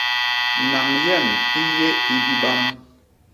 Nañ yem i yé i bibam.